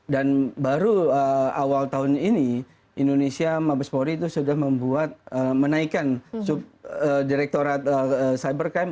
dan baru awal tahun ini indonesia mabes poli itu sudah membuat menaikkan direktorat cybercam